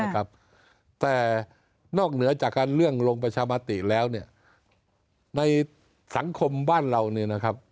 แต่นอกเหนือจากการเรื่องลงประชามติแล้วเนี่ยในสังคมบ้านเราเนี่ยนะครับ